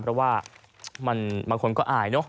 เพราะว่าบางคนก็อายเนอะ